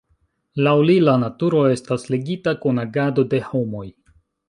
Laŭ li, la naturo estas ligita kun agado de homoj.